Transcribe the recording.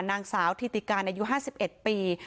นางสาวธิติการอายุ๕๑ปี